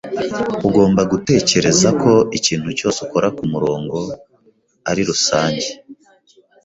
Ugomba gutekereza ko ikintu cyose ukora kumurongo ari rusange.